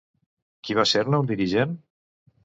Qui va ser-ne un dirigent?